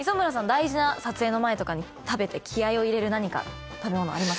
大事な撮影の前とかに食べて気合を入れる何か食べ物ありますか？